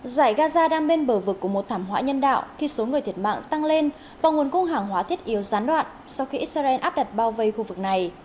giải gaza đang bên bờ vực của một thảm họa nhân đạo khi số người thiệt mạng tăng lên và nguồn cung hàng hóa thiết yếu gián đoạn sau khi israel áp đặt bao vây khu vực này